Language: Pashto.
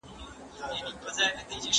د الله تعالی په وړاندې تواضع وکړئ.